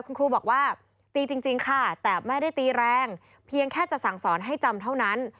คุณครูบอกว่าตีจริงค่ะแต่ไม่ได้ตีแรงเพียงแค่จะสั่งสอนให้จำเท่านั้น